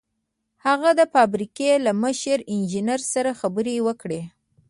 هغه د فابریکې له مشر انجنیر سره خبرې وکړې